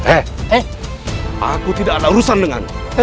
eh aku tidak ada urusan denganmu